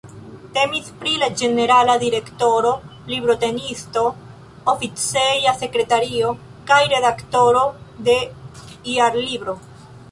Temis pri la ĝenerala direktoro, librotenisto, oficeja sekretario kaj redaktoro de Jarlibro.